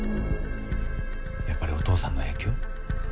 やっぱりお父さんの影響？